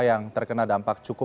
yang terkena dampak cukup